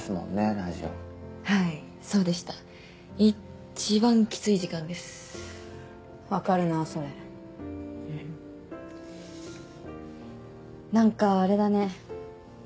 ラジオはいそうでした一番きつい時間ですわかるなそれうんなんかあれだね